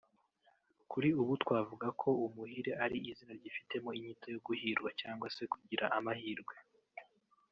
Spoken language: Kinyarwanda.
Kuri ubu twavuga ko Umuhire ari izina ryifitemo inyito yo guhirwa cyangwa se kugira amahirwe